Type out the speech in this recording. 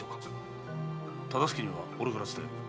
忠相には俺から伝える。